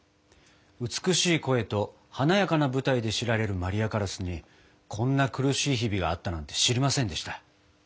美しい声と華やかな舞台で知られるマリア・カラスにこんな苦しい日々があったなんて知りませんでした。